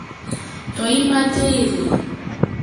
Tɔ̀ímá téèlì.